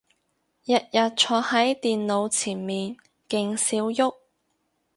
日日坐係電腦前面勁少郁